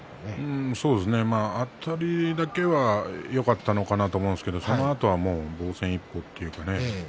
あたりだけはよかったのかなと思うんですがそのあとは防戦一方というかね